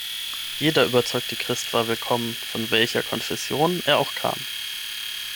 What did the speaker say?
Jeder überzeugte Christ war willkommen, von welcher Konfession er auch kam.